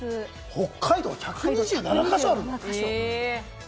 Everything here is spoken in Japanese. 北海道１２７か所ある。